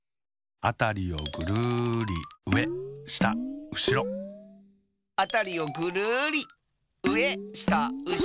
「あたりをぐるりうえしたうしろ」「あたりをぐるりうえしたうしろ」